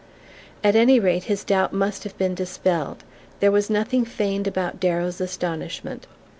At any rate, his doubt must have been dispelled: there was nothing feigned about Darrow's astonishment.